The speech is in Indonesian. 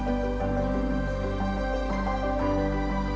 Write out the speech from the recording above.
banyak tanda uxyan tiata tidak untuk orang